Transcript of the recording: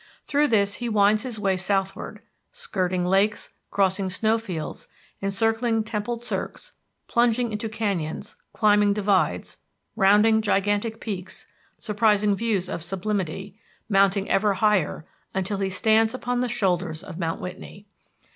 Through this he winds his way southward, skirting lakes, crossing snow fields, encircling templed cirques, plunging into canyons, climbing divides, rounding gigantic peaks, surprising views of sublimity, mounting ever higher until he stands upon the shoulders of Mount Whitney.